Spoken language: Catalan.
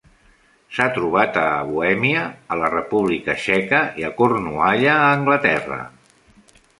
S'ha trobat a Bohèmia a la República Txeca i a Cornualla, Anglaterra.